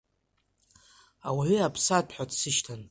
Ауаҩы-аԥсаатә ҳәа дсышьҭан.